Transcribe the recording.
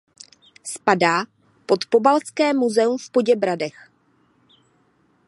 Spadá pod Polabské muzeum v Poděbradech.